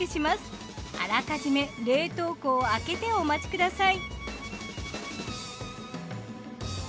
あらかじめ冷凍庫を空けてお待ちください。